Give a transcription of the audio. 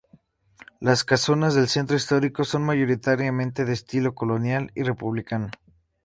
Las casonas del centro histórico son mayoritariamente de estilo colonial y republicano.